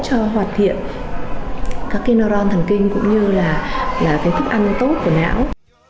cho hoạt hiện các neuron thần kinh cũng như là thức ăn tốt của não